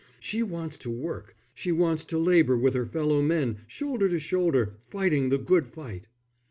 She wants to work, she wants to labour with her fellow men, shoulder to shoulder, fighting the good fight."